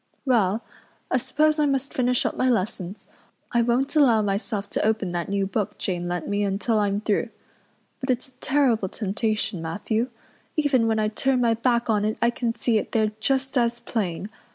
"Well, I suppose I must finish up my lessons. I won't allow myself to open that new book Jane lent me until I'm through. But it's a terrible temptation, Matthew. Even when I turn my back on it I can see it there just as plain.